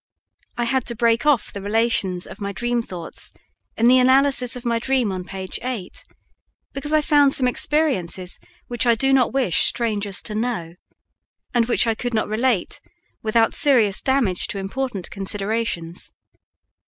I had to break off the relations of my dream thoughts in the analysis of my dream on p. 8 because I found some experiences which I do not wish strangers to know, and which I could not relate without serious damage to important considerations.